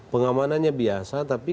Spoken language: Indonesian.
pengamanannya biasa tapi